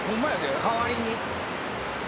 代わりに。